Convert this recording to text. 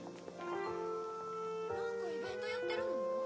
・何かイベントやってるの？